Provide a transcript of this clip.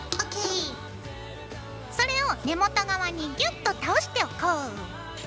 それを根元側にギュッと倒しておこう。